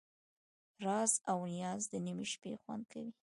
راز او نیاز د نیمې شپې خوند کوي.